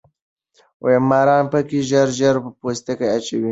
مارانو پکې ژر ژر پوستکي اچول.